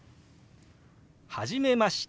「初めまして。